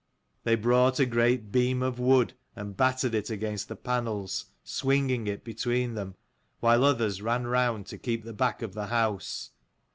They brought a great beam of wood and battered it against the panels, swinging it between them ; while others ran round to keep the back of the house.